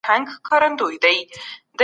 خپلي جامې تل پاکې ساتئ.